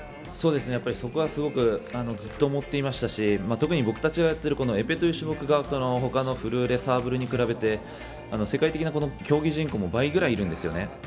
そこがすごくずっと思っていましたし特に僕たちがやっているエペという種目は他のフルーレ、サーブルに比べて世界的な競技人口も倍ぐらいいるんですよね。